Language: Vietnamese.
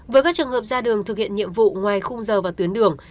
với các trường hợp ra đường thực hiện nhiệm vụ ngoài khung giờ và tuyến đường